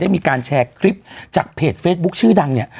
มีการแชร์คลิปจากเพจเฟซบุ๊คชื่อดังเนี่ย